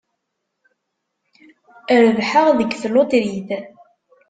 Rebḥeɣ deg tlutrit.